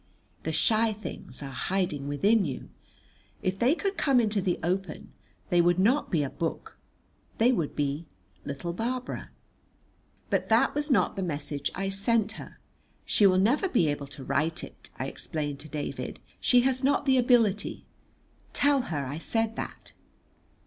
The shy things are hiding within you. If they could come into the open they would not be a book, they would be little Barbara. But that was not the message I sent her. "She will never be able to write it," I explained to David. "She has not the ability. Tell her I said that."